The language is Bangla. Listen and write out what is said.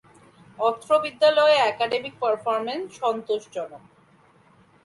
অত্র বিদ্যালয়ে একাডেমিক পারফরমেন্স সন্তোষজনক।